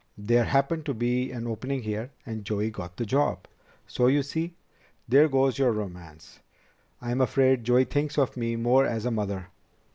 There happened to be an opening here, and Joey got the job. So, you see, there goes your romance. I'm afraid Joey thinks of me more as a mother."